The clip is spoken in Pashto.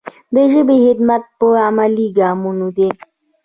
د ژبې خدمت په عملي ګامونو دی.